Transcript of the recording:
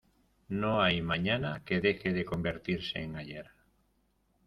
No hay mañana que deje de convertirse en ayer.